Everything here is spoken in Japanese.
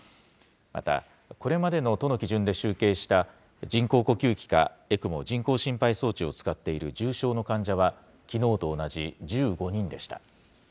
また、これまでの都の基準で集計した、人工呼吸器か、ＥＣＭＯ・人工心肺装置を使っている重症の患者は、きのうと同じ１５人でした。